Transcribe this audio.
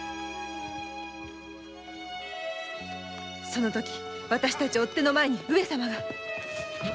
その時わたしたち追手の前に上様が。